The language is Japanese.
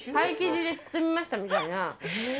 パイ生地で包みましたみたいな。